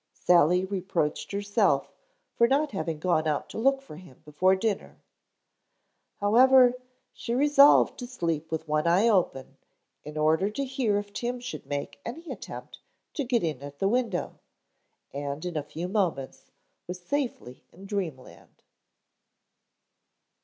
Sally reproached herself for not having gone out to look for him before dinner. However, she resolved to sleep with one eye open, in order to hear if Tim should make any attempt to get in at the window, and in a few moments was safely in dreamland.